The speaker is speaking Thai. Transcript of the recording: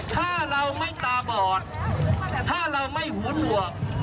ถ้าเราไม่ตาบอดถ้าเราไม่หูหนวก